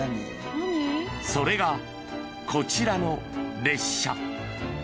［それがこちらの列車］